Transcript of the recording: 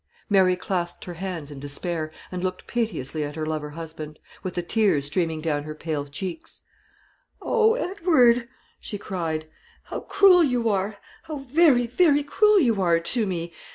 Mary clasped her hands in despair, and looked piteously at her lover husband, with the tears streaming down her pale cheeks. "O Edward," she cried, "how cruel you are; how very, very cruel you are to me!